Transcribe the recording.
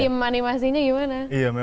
dari tim animasinya gimana